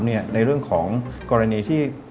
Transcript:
ในเรื่องของกรณีที่